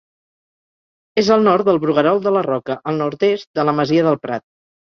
És al nord del Bruguerol de la Roca, al nord-est de la masia del Prat.